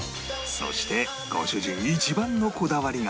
そしてご主人一番のこだわりが